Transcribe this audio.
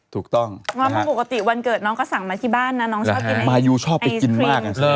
ถูกต้องปกติวันเกิดน้องก็สั่งมาที่บ้านนะน้องชอบกินมายูชอบไปกินมาก